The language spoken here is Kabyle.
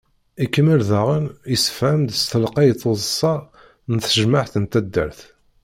Ikemmel daɣen, yessefhem-d s telqay tuddsa n tejmeɛt n taddart.